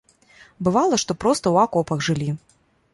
Бывала, што проста ў акопах жылі.